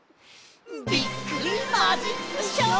びっくりマジックショー！